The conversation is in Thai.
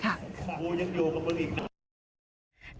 คุณพูดอย่างเดียวกับผู้หญิงนะครับ